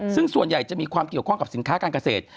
ซึ่งส่วนใหญ่จะมีความเกี่ยวข้องกับสินค้าการเกษตร